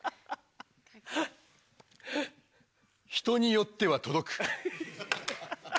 人によっては届く。